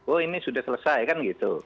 oh ini sudah selesai kan gitu